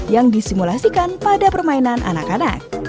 yang disimulasikan pada permainan anak anak